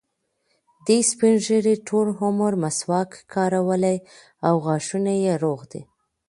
دې سپین ږیري ټول عمر مسواک کارولی او غاښونه یې روغ دي.